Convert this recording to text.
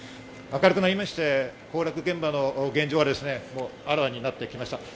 明るくなりまして、崩落現場の現状があらわになってきました。